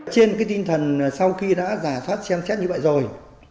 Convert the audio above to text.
trên cái tinh thần sau khi đã giả soát xem xét như vậy rồi